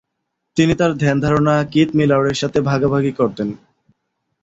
তিনি তাঁর ধ্যান-ধারণা কিথ মিলারের সাথে ভাগাভাগি করতেন।